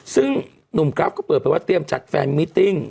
ซึ่งหนุ่มกราฟก็เปิดไปว่าเตรียมจัดแฟนมิติ้ง